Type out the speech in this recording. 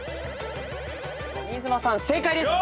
新妻さん正解です。